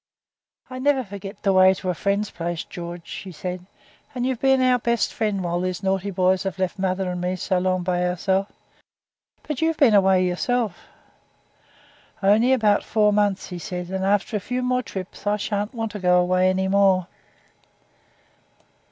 'I never forget the way to a friend's place, George,' she said, 'and you've been our best friend while these naughty boys have left mother and me so long by ourselves. But you've been away yourself.' 'Only four months,' he said; 'and after a few more trips I shan't want to go away any more.'